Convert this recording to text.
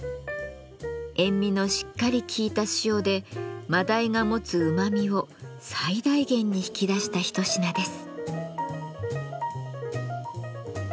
塩味のしっかりきいた塩でマダイが持つうまみを最大限に引き出した一品です。